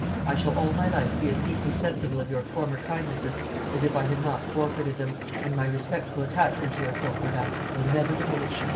I shall all my life be as deeply sensible of your former kindnesses as if I had not forfeited them, and my respectful attachment to yourself, madame, will never diminish."